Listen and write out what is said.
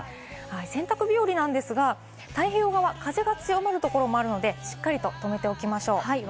洗濯日和なんですが、太平洋側、風が強まる所もあるので、しっかりと止めておきましょう。